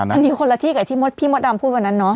ก็คิดว่าคนนี้คนละที่ไหมอ่ะพี่มดดำพูดว่านั้นเนอะ